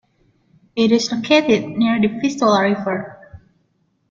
It is located near the Vistula River.